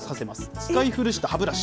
使い古した歯ブラシ。